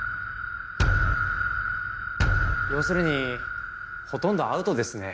要するにほとんどアウトですね。